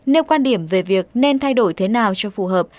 nêu quan điểm về việc nên thay đổi thế nào cho phù hợp